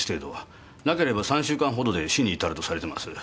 なければ３週間ほどで死に至るとされてます。